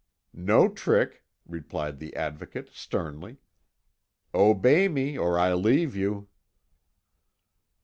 "No trick," replied the Advocate sternly. "Obey me, or I leave you."